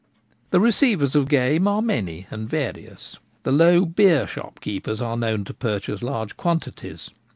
The receivers of game are many and various. The low beer shop keepers are known to purchase large quantities.